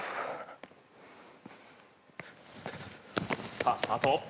さあスタート。